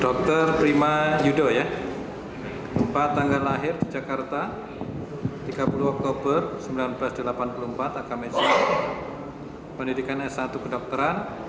dr prima yudho ya empat tanggal lahir di jakarta tiga puluh oktober seribu sembilan ratus delapan puluh empat agama pendidikan s satu kedokteran